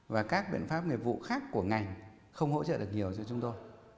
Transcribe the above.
và các biện pháp nghiệp vụ khác của ngành không hỗ trợ được nhiều giữa chúng tôi